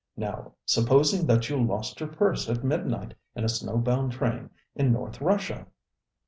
Now, supposing that you lost your purse at midnight in a snowbound train in North Russia?